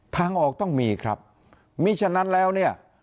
ทางออกต้องมีครับมีฉะนั้นแล้วเนี่ย